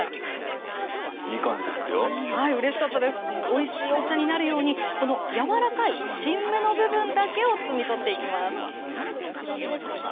おいしいお茶になるように、この柔らかい新芽の部分だけを摘み取っていきます。